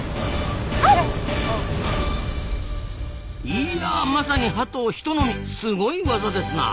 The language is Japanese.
いやまさにハトをひと飲みすごいワザですな！